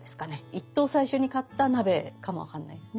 一等最初に買った鍋かもわかんないですね。